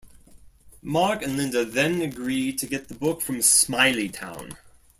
Mark and Linda then agree to get the book from Smiley Town.